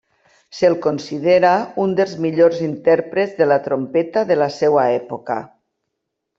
Se'l considera un dels millors intèrprets de la trompeta de la seva època.